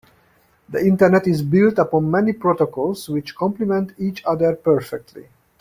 The internet is built upon many protocols which compliment each other perfectly.